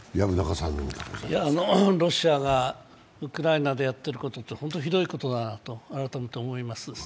ロシアがウクライナでやっていることは本当にひどいことだなと改めて思います。